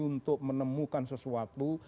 untuk menemukan sesuatu